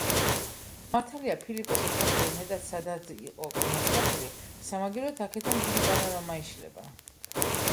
მართალია ფილიპეს ოთახები მეტად სადად იყო მოწყობილი, სამაგიეროდ, აქედან დიდი პანორამა იშლება.